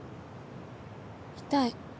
痛い。